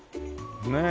ねえ。